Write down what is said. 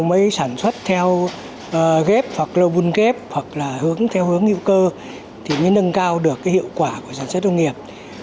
mới sản xuất theo ghép hoặc lô buôn ghép hoặc là theo hướng hiệu cơ thì mới nâng cao được hiệu quả của sản xuất nông nghiệp